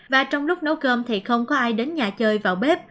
và trong lúc nấu cơm thì không có ai đến nhà chơi vào bếp